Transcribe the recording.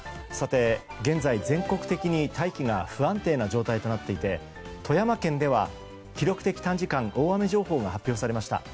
現在、全国的に大気が不安定な状態となっていて富山県では記録的短時間大雨情報が発表されました。